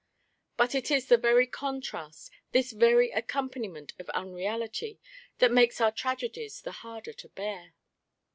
But it is the very contrast, this very accompaniment of unreality, that makes our tragedies the harder to bear.